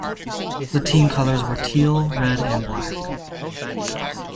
The team colors were teal, red and black.